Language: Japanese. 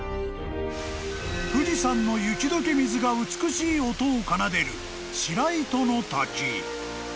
［富士山の雪解け水が美しい音を奏でる］